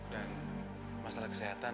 dan masalah kesehatan